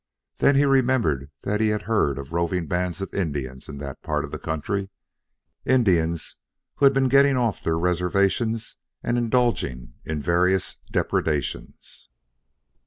Then he remembered that he had heard of roving bands of Indians in that part of the country Indians who had been getting off their reservations and indulging in various depredations.